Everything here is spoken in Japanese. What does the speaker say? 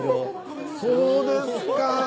そうですか。